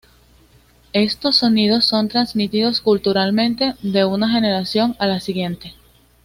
Estos sonidos son transmitidos culturalmente de una generación a la siguiente.